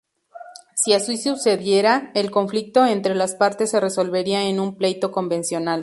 Si así sucediera, el conflicto entre las partes se resolvería en un pleito convencional.